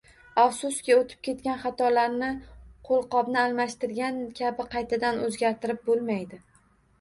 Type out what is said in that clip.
Afsuski, o`tib ketgan xatolarni qo`lqopni almashtirgan kabi qaytadan o`zgartirib bo`lmaydi